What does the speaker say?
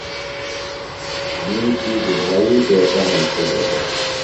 مِیشی گُبھائی ٹیکہ ہنسِلوۡ دےۡ؟